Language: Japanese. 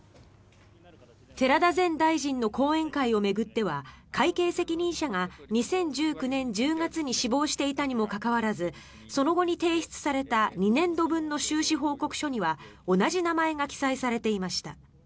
寺田前大臣の後援会を巡っては会計責任者が２０１９年１０月に死亡していたにもかかわらずその後に提出された２年度分の収支報告書には同じ名前が記載されていました。